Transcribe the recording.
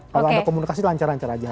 kalau anda komunikasi lancar lancar aja